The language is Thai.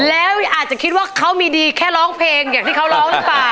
แล้วอาจจะคิดว่าเขามีดีแค่ร้องเพลงอย่างที่เขาร้องหรือเปล่า